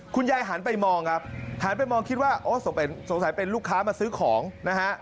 หันไปมองครับหันไปมองคิดว่าโอ้สงสัยเป็นลูกค้ามาซื้อของนะฮะ